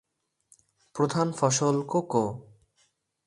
প্রধান ফসল কোকো।